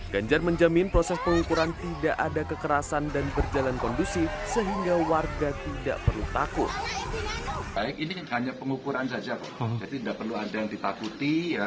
ganjar menjamin proses pengukuran tidak ada kekerasan dan berjalan kondusif sehingga warga tidak perlu takut